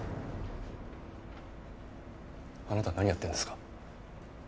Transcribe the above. あなたは何やってるんですか？